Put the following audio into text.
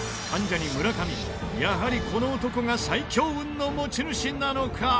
関ジャニ村上やはりこの男が最強運の持ち主なのか？